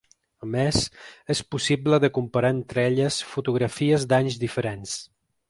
A més, és possible de comparar entre elles fotografies d’anys diferents.